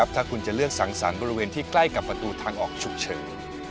ถ้าคุณจะเลือกสังสรรค์บริเวณที่ใกล้กับประตูทางออกฉุกเฉิน